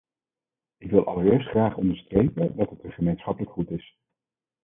Ik wil allereerst graag onderstrepen dat het een gemeenschappelijk goed is.